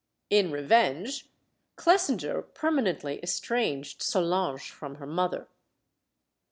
In revenge, Clesinger permanently estranged Solange from her mother.